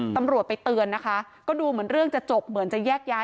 ตำรวจไปเตือนนะคะก็ดูเหมือนเรื่องจะจบเหมือนจะแยกย้าย